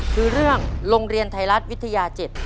คือเรื่องโรงเรียนไทยรัฐวิทยา๗